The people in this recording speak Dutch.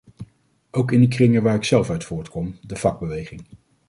Ook in de kringen waar ik zelf uit voortkom, de vakbeweging.